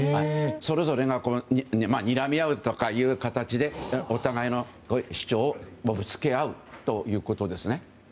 それぞれがにらみ合うとかいう形でお互いの主張をぶつけ合うということですね。